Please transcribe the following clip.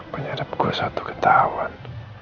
penyadap gue satu ketahuan